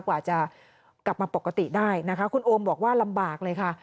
กว่าจะกลับมาปกติได้นะคะคุณโอมบอกว่าลำบากเลยค่ะ